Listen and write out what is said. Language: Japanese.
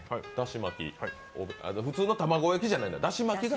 普通の卵焼きじゃないんだ、だし巻きが。